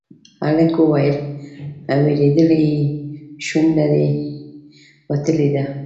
هلک وويل: وېرېدلی يې، شونډه دې وتلې ده.